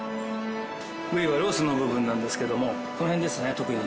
部位はロースの部分なんですけどもこの辺ですね特に。